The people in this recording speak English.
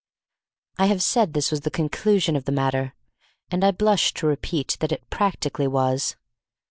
I have said this was the conclusion of the matter, and I blush to repeat that it practically was.